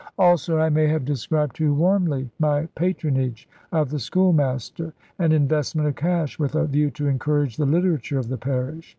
Also I may have described too warmly my patronage of the schoolmaster, and investment of cash with a view to encourage the literature of the parish.